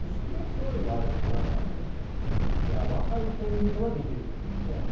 そういうのもあると思いますが若いペンギンはできるということですね。